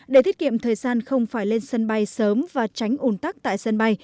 để thiết kiệm thời gian không phải lên sân bay sớm và tránh ủn tắc tại sân bay